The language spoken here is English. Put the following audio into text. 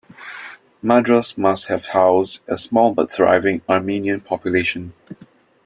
Madras must have housed a small but a thriving Armenian population.